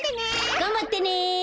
がんばってね！